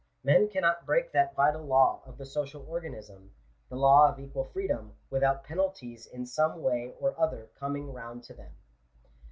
Men cannot break that vital law of the social organism — the law of equal freedom, without penalties in some way or other coming round to them.